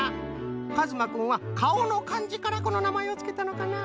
かずまくんはかおのかんじからこのなまえをつけたのかな。